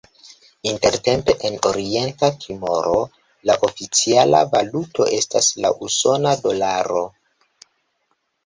Intertempe en Orienta Timoro la oficiala valuto estas la usona dolaro.